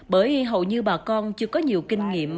bởi hầu như bà con chưa có nhiều kinh nghiệm